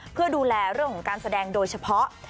เพื่อดูแลเรื่องของการแสดงโดยเฉพาะ